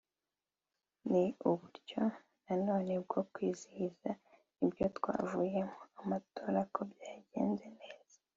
ni uburyo na none bwo kwizihiza ibyo tuvuyemo by’amatora ko byagenze neza